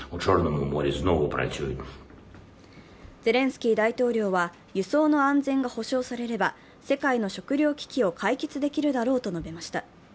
ゼレンスキー大統領は、輸送の安全が保証されれば世界の食糧危機を解決できるだろうと述べました。